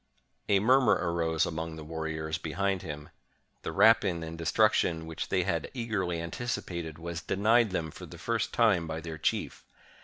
A murmur arose among the warriors behind him. The rapine and destruction which they had eagerly antici pated was denied them for the first time by their chief.